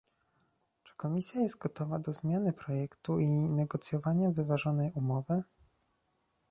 Czy Komisja jest gotowa do zmiany projektu i negocjowania wyważonej umowy?